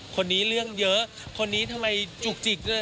คนนี้เรื่องเยอะคนนี้ทำไมจุกจิกเลย